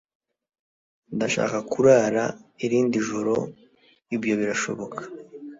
Ndashaka kurara irindi joro Ibyo birashoboka